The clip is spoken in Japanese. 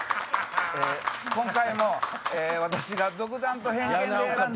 今回も私が独断と偏見で選んだ。